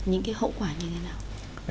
những cái hậu quả như thế nào